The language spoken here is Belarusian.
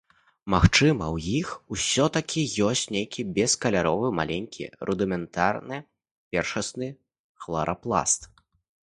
Магчыма ў іх усё-такі ёсць нейкі бескаляровы, маленькі і рудыментарны першасны хларапласт.